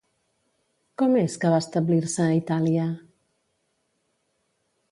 Com és que va establir-se a Itàlia?